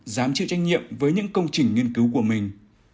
dám chịu trách nhiệm với những công trình nghiên cứu của mình